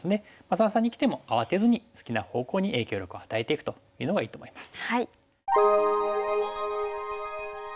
三々にきても慌てずに好きな方向に影響力を与えていくというのがいいと思います。